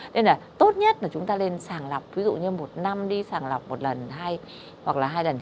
nên là tốt nhất là chúng ta nên sàng lọc ví dụ như một năm đi sàng lọc một lần hai hoặc là hai lần